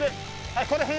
はい